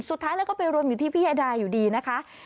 สุดท้ายแล้วก็ไปรวมอยู่ที่พี่ยาดาอยู่ดีนะคะ